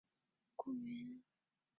属于支笏洞爷国立公园。